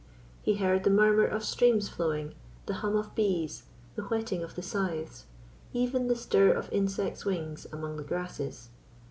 He heard the murmur of streams flowing, the hum of bees, the whetting of the scythes even the stir of insects' wings among the grasses.